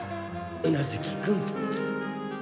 宇奈月君。